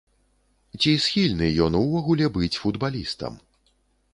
Ці схільны ён увогуле быць футбалістам.